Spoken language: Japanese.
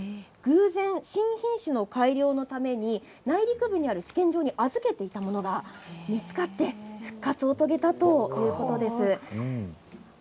偶然、新品種の改良のために内陸部にある試験場に預けていたものが見つかって復活を遂げたということなんです。